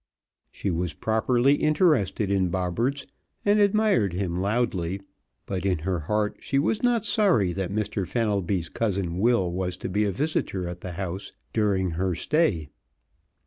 She was properly interested in Bobberts and admired him loudly, but in her heart she was not sorry that Mr. Fenelby's brother Will was to be a visitor at the house during her stay.